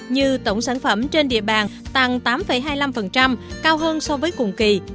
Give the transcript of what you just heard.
như tổng sản phẩm trên địa bàn tăng tám hai mươi năm cao hơn so với cùng kỳ